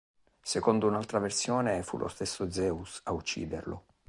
Secondo un'altra versione, fu lo stesso Zeus a ucciderlo.